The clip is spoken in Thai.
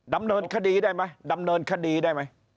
ดำเนินคดีได้ไหมดำเนินคดีได้ไหม